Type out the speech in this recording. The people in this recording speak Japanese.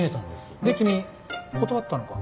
で君断ったのか？